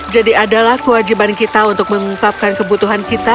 jadi adalah kewajiban kita untuk mengungkapkan kebutuhan kita